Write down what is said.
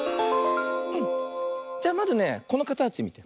じゃあまずねこのかたちみて。